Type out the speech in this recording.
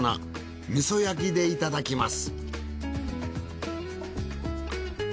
味噌焼きでいただきます。